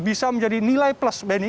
bisa menjadi nilai plus beni